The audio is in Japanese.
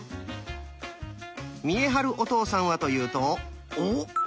見栄晴お父さんはというとおおっ！